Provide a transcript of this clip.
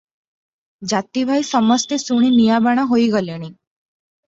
ଜାତିଭାଇ ସମସ୍ତେ ଶୁଣି ନିଆଁବାଣ ହୋଇ ଗଲେଣି ।